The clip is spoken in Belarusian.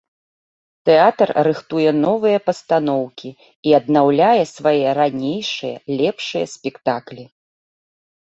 Тэатр рыхтуе новыя пастаноўкі і аднаўляе свае ранейшыя лепшыя спектаклі.